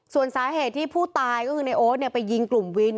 ส่วนสาเหตุที่ผู้ตายก็คือในโอ๊ตไปยิงกลุ่มวิน